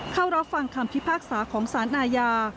เข้ารับฟังคำพิพากษาของสารอาญา